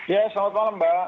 ya selamat malam mbak